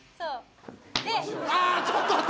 あちょっと待って！